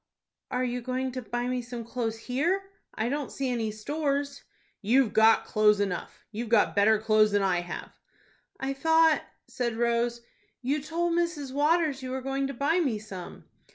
"Are you going to buy me some clothes here? I don't see any stores." "You've got clothes enough. You've got better clothes than I have." "I thought," said Rose, "you told Mrs. Waters you were going to buy me some."